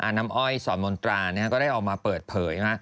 น้ำอ้อยสอนมนตราก็ได้ออกมาเปิดเผย